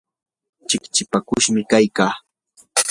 chikchipakushmi kaykaa.